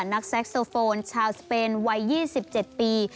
แก๊กโซโฟนชาวสเปนวัย๒๗ปี